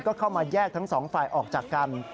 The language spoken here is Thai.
ก็เข้ามาแยกทั้งสองฝ่ายออกจากกัน